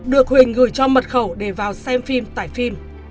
được huỳnh gửi cho mật khẩu để vào xem phim tải phim